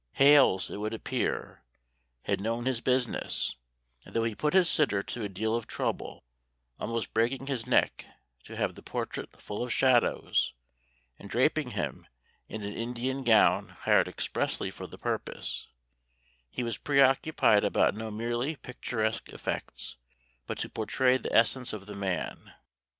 Hales, it would appear, had known his business, and though he put his sitter to a deal of trouble, almost breaking his neck 'to have the portrait full of shadows,' and draping him in an Indian gown hired expressly for the purpose, he was preoccupied about no merely picturesque effects, but to portray the essence of the man.